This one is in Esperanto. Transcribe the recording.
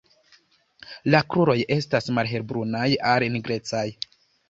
La kruroj estas malhelbrunaj al nigrecaj.